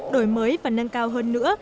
đổi mới và nâng cao hơn nữa